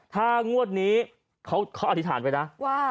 ถ้างวดนี้เขาอธิษฐานไว้นะว่า